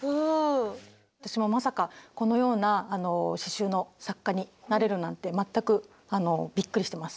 私もまさかこのような刺しゅうの作家になれるなんて全くびっくりしてます。